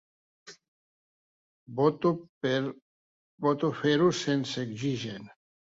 Voto fer-ho sense oxigen.